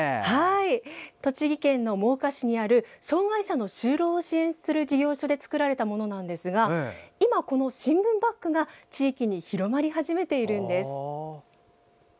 栃木県の真岡市にある障害者の就労を支援する事業所で作られたものなんですが今、この新聞バッグが地域に広まり始めているんです。